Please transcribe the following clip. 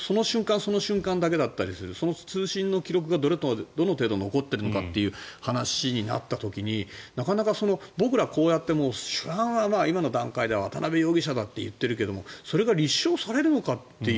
その瞬間だけだったりするその通信の記録がどの程度残っているのかという話になった時になかなか僕らはこうやって主犯は今の段階では渡邉容疑者だって言っているけどそれが立証されるのかという。